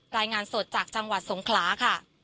รายงานสดจากจังหวัดสงขลาค่ะ